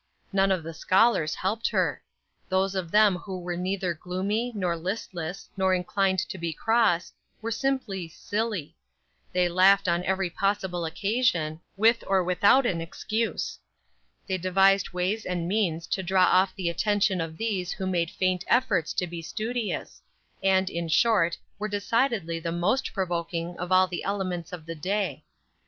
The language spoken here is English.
None of the scholars helped her. Those of them who were neither gloomy, nor listless, nor inclined to be cross, were simply silly; they laughed on every possible occasion, with or without an excuse; they devised ways and means to draw off the attention of these who made faint efforts to be studious; and, in short, were decidedly the most provoking of all the elements of the day.